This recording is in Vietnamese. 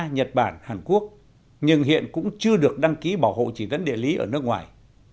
nhật bản hàn quốc nhưng hiện cũng chưa được đăng ký bảo hộ chỉ dẫn địa lý ở nước ngoài